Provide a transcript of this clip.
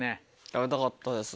食べたかったです。